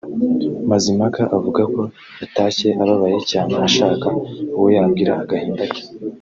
Mazimpaka avuga ko yatashye ababaye cyane ashaka uwo yabwira agahinda ke